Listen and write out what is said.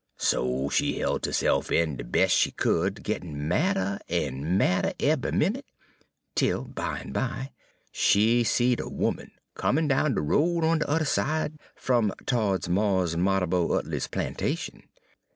So she helt herse'f in de bes' she could, gittin' madder en madder eve'y minute, 'tel bimeby she seed a 'oman comin' down de road on de udder side fum to'ds Mars' Marrabo Utley's plantation.